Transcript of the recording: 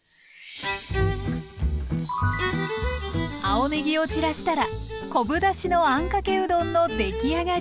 青ねぎを散らしたら昆布だしのあんかけうどんのできあがり！